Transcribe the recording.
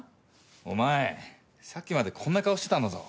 お前さっきまでこんな顔してたんだぞ。